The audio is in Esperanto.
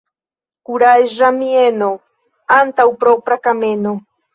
Kuraĝa mieno antaŭ propra kameno.